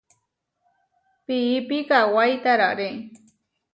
Piípi kawái tararé.